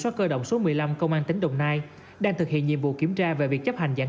chức dòng số một mươi năm công an tỉnh đồng nai đang thực hiện nhiệm vụ kiểm tra về việc chấp hành giãn